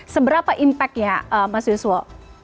seberapa impact ya mas yuswo